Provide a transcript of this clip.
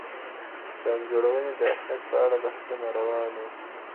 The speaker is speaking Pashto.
د پلان جوړوني د اهميت په اړه بحثونه روان وو.